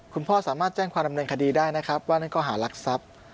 คุณพ่อสามารถแจ้งความดำเนินคดีได้นะครับว่านั่นก็หารักทรัพย์